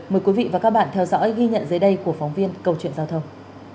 mời quý vị và các bạn theo dõi ghi nhận dưới đây của phóng viên câu chuyện giao thông